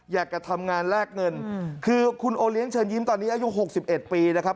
อยากจะทำงานแลกเงินคือคุณโอเลี้ยงเชิญยิ้มตอนนี้อายุ๖๑ปีนะครับ